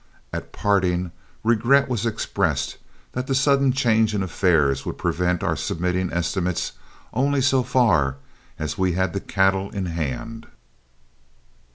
At parting regret was expressed that the sudden change in affairs would prevent our submitting estimates only so far as we had the cattle in hand.